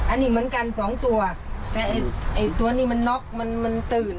อันนี้เหมือนกันสองตัวแต่ไอ้ตัวนี้มันน็อกมันมันตื่น